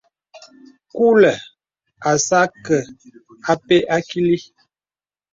Kùlə̀ asə̄ akɛ̂ apɛ akìlì.